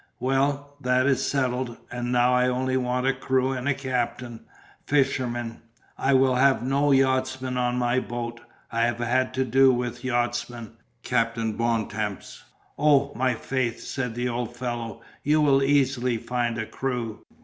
"Well, that is settled and now I only want a crew and a captain fishermen. I will have no yachtsmen on my boat. I have had to do with yachtsmen, Captain Bontemps." "Oh, my faith," said the old fellow, "you will easily find a crew."